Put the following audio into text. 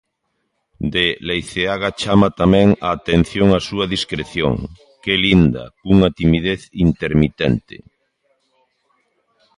De Leiceaga chama tamén a atención a súa discreción, que linda cunha timidez intermitente.